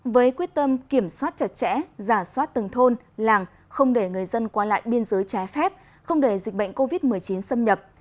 với quyết tâm kiểm soát chặt chẽ giả soát từng thôn làng không để người dân qua lại biên giới trái phép không để dịch bệnh covid một mươi chín xâm nhập